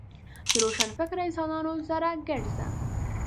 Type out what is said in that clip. د روشنفکره انسانانو سره ګرځه .